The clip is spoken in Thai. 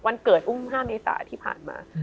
วันเกิดอุ้มห้ามในสระที่ผ่านมา